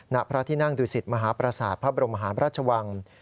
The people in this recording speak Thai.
ณพระที่นั่งดูสิตมหาประสาทพระบรมหาพระราชวัง